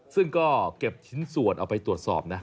ซึ่งก็เก็บชิ้นส่วนเอาไปตรวจสอบนะ